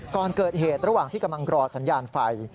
ก่อนเกิดเหตุระหว่างที่กำลังรอสัญญาณไฟ